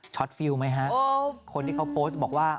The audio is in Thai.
ช็อตฟิวไหมฮะคนที่เขาโปสต์บอกว่า